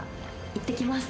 いってきます。